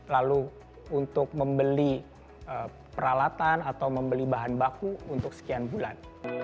lalu untuk membeli peralatan atau membeli bahan baku untuk sekian bulan